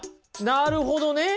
なるほどね！